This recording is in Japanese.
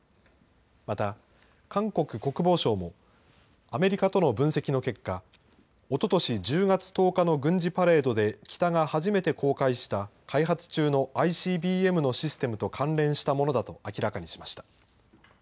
また韓国国防省も、アメリカとの分析の結果、おととし１０月１０日の軍事パレードで、北が初めて公開した開発中のＩＣＢＭのシステムと関連したものだと明らかにしました。